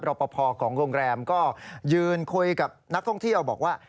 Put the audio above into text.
ปภของโรงแรมก็ยืนคุยกับนักท่องเที่ยวบอกว่า